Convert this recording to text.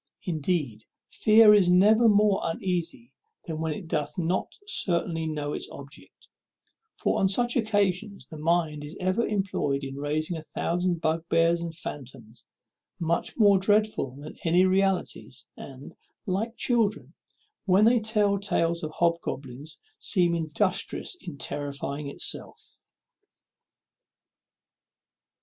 Indeed, fear is never more uneasy than when it doth not certainly know its object; for on such occasions the mind is ever employed in raising a thousand bugbears and fantoms, much more dreadful than any realities, and, like children when they tell tales of hobgoblins, seems industrious in terrifying itself.